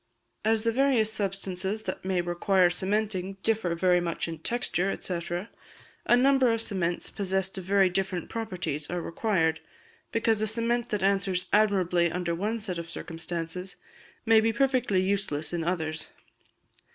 As the various substances that may require cementing differ very much in texture, &c., a number of cements possessed of very different properties are required, because a cement that answers admirably under one set of circumstances may be perfectly useless in others.